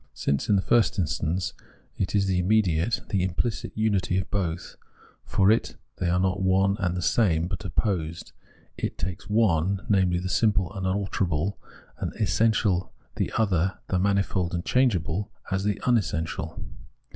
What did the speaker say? Since, in the fixst instance, it is the immediate, the imphcit unity of both, while for it they are not one and the same, but opposed, it takes one, namely, the simple unalterable, as essential, the other, the manifold and changeable, as the rmessential.